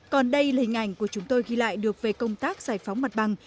còn đây là hình ảnh của chúng tôi ghi lại được về công tác giải phóng mặt bằng